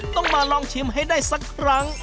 ต้องมาลองชิมให้ได้สักครั้ง